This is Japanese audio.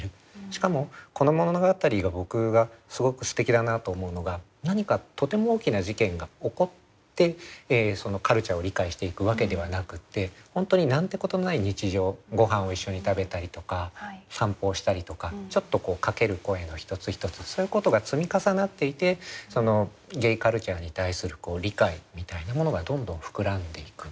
しかもこの物語が僕がすごくすてきだなと思うのが何かとても大きな事件が起こってそのカルチャーを理解していくわけではなくって本当に何てことない日常ごはんを一緒に食べたりとか散歩をしたりとかちょっとかける声の一つ一つそういうことが積み重なっていてそのゲイカルチャーに対する理解みたいなものがどんどん膨らんでいく。